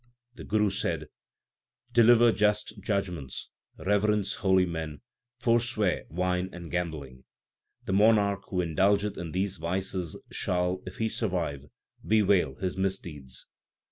The Guru said, Deliver just judgements, reverence holy men, forswear wine and gambling. The monarch who indulgeth in these vices shall, if he survive, bewail his misdeeds.